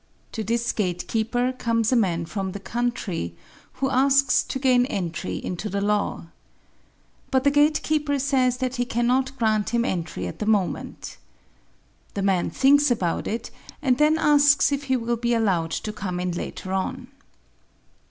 To this gatekeeper comes a man from the country who asks to gain entry into the law. But the gatekeeper says that he cannot grant him entry at the moment. The man thinks about it and then asks if he will be allowed to come in later on.